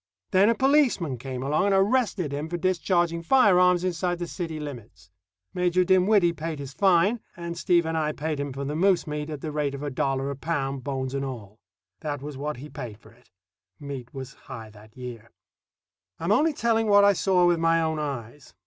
Then a policeman came along and arrested him for discharging firearms inside the city limits. Major Dinwiddie paid his fine, and Steve and I paid him for the moose meat at the rate of a dollar a pound, bones and all. That was what he paid for it. Meat was high that year. I am only telling what I saw with my own eyes.